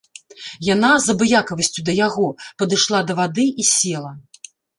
Яна, з абыякавасцю да яго, падышла да вады і села.